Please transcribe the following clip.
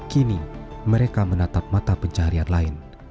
kini mereka menatap mata pencaharian lain